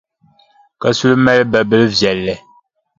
Kasuli mali babilʼ viɛlli.